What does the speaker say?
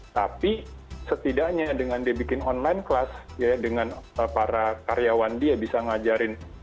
tapi setidaknya dengan dibikin online class ya dengan para karyawan dia bisa ngajarin